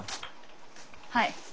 はい。